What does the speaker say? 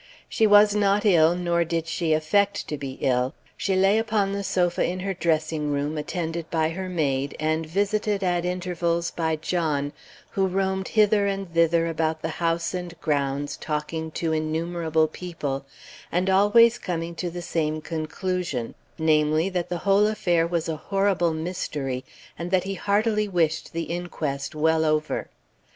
She was not ill, nor did she affect to be ill. She lay upon the sofa in her dressing room, attended by her maid, and visited at intervals by John, who roamed hither and thither about the house and grounds, talking to innumerable people, and always coming to the same conclusion, namely, that the whole affair was a horrible mystery, and that he heartily wished the inquest well over.